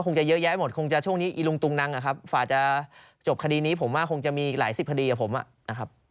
คงจะเยอะแยะหมดคงจะช่วงนี้อีลุงตุงนังนะครับฝ่าจะจบคดีนี้ผมว่าคงจะมีอีกหลายสิบคดีกับผมนะครับ